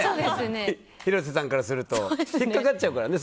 広瀬さんからすると引っかかっちゃうからね。